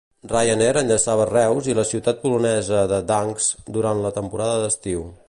Ryanair enllaçava Reus i la ciutat polonesa de Gdansk durant la temporada d'estiu.